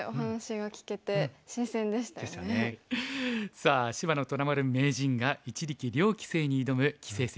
さあ芝野虎丸名人が一力遼棋聖に挑む棋聖戦